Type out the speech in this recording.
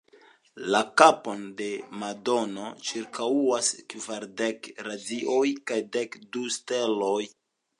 La kapon de Madono ĉirkaŭas kvardek radioj kaj dek du steloj.